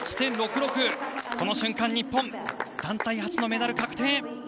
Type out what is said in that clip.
この瞬間、日本、団体初のメダル確定。